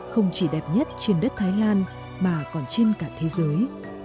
không chỉ đẹp nhất trên đất thái lan mà còn trên cả thế giới